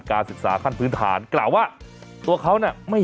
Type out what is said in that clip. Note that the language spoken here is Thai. การศึกษาขั้นพื้นฐานกล่าวว่า